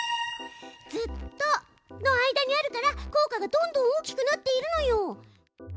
「ずっと」の間にあるから効果がどんどん大きくなっているのよ！